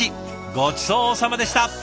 ごちそうさまでした！